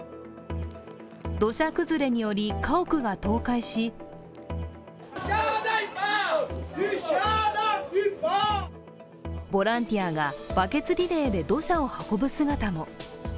土砂崩れにより、家屋が倒壊しボランティアがバケツリレーで土砂を運ぶ姿も。